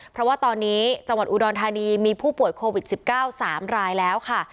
เพราะว่าตอนนี้จังหวัดอุดรธานีมีผู้ป่วยโควิด๑๙๓รายแล้วค่ะ